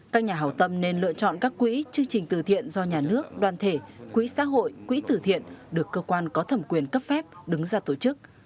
các nhà hảo tâm nên lựa chọn các quỹ chương trình từ thiện do nhà nước đoàn thể quỹ xã hội quỹ tử thiện được cơ quan có thẩm quyền cấp phép đứng ra tổ chức